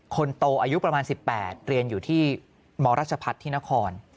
คนโตอายุประมาณ๑๘เรียนอยู่ที่มรัชพัฒน์ที่นคร